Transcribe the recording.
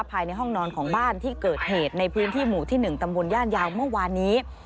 ภายในห้องนอนของบ้านที่เกิดเหตุในพื้นที่หมู่ที่๑ตำบลย่านยาวเมื่อวานนี้